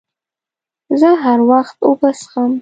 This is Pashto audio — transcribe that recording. زه هر وخت اوبه څښم.